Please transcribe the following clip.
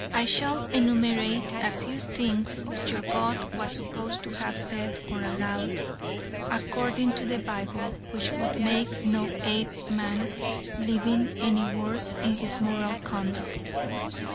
I shall enumerate a few things your god was supposed to have said or allowed, according to the Bible, which would make no Apeman living, any worse in his moral conduct.